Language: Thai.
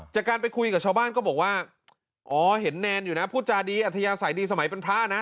จากการไปคุยกับชาวบ้านก็บอกว่าอ๋อเห็นแนนอยู่นะพูดจาดีอัธยาศัยดีสมัยเป็นพระนะ